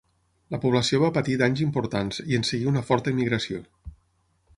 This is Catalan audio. La població va patir danys importants i en seguí una forta emigració.